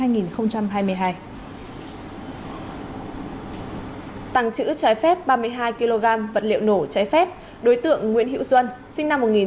tăng chữ trái phép ba mươi hai kg vật liệu nổ trái phép đối tượng nguyễn hữu duân